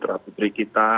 kepada putri kita